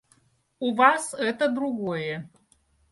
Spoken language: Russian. У вас это другое.